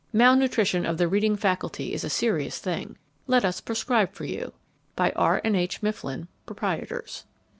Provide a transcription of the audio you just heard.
Malnutrition of the reading faculty is a serious thing. Let us prescribe for you. By R. & H. MIFFLIN, Proprs.